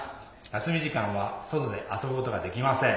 休み時間は外で遊ぶことができません。